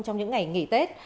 trong những ngày nghỉ tết